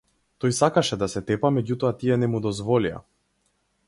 Тој сакаше да се тепа меѓутоа тие не му дозволија.